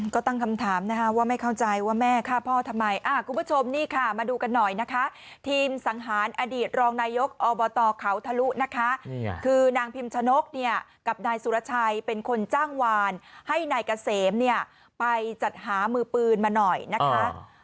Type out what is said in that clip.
ก็ตั้งคำถามนะคะว่าไม่เข้าใจว่าแม่ฆ่าพ่อทำไมคุณผู้ชมนี่ค่ะมาดูกันหน่อยนะคะทีมสังหารอดีตรองนายกอบตเขาทะลุนะคะคือนางพิมชนกเนี่ยกับนายสุรชัยเป็นคนจ้างวานให้นายเกษมเนี่ยไปจัดหามือปืนมาหน่อยนะคะ